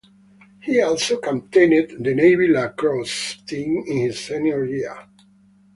He also captained the Navy Lacrosse team in his senior year.